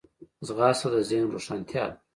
ځغاسته د ذهن روښانتیا ده